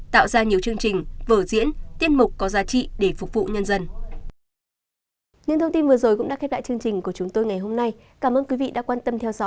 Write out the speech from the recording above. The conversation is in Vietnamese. tạo ra nhiều chương trình vở diễn tiết mục có giá trị để phục vụ nhân dân